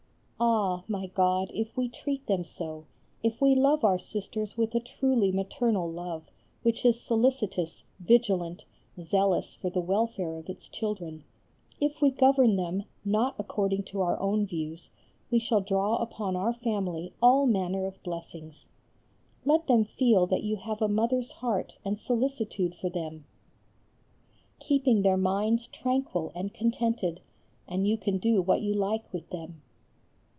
Ah! my God, if we treat them so, if we love our Sisters with a truly maternal love, which is solicitous, vigilant, zealous for the welfare of its children; if we govern them not according to our own views we shall draw upon our family all manner of blessings. Let them feel that you have a mother's heart and solicitude for them, keeping their minds tranquil and contented, and you can do what you like with them.